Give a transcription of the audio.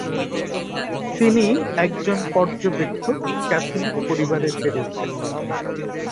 তিনি একজন পর্যবেক্ষক ক্যাথলিক পরিবারে বেড়ে ওঠেন।